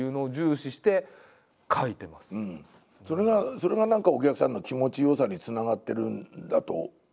それが何かお客さんの気持ちよさにつながってるんだと思うね。